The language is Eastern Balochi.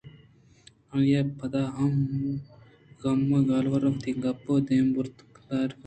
آئی ءَ پدا غم جتیں گالوارے وتی گپّ دیما بُرت ءُ درّائینت